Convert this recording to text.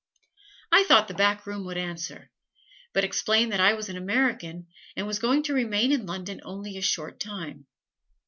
I thought the back room would answer; but explained that I was an American and was going to remain in London only a short time.